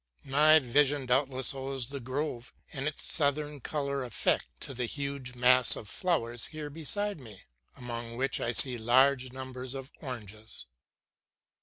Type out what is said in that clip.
My vision doubtless owes the grove and its southern color effect to the huge mass of flowers here beside me, among which I see a large number of oranges.